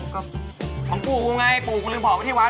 ก็ของปู่กูไงปู่กูลืมบอกไว้ที่วัด